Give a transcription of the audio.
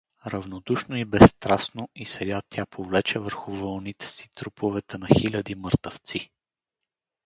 Равнодушно и безстрастно и сега тя повлече върху вълните си труповете на хиляди мъртъвци.